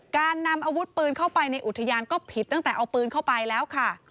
การนำอาวุธปืนเข้าไปในอุทยานก็ผิดตั้งแต่เอาปืนเข้าไปแล้วค่ะ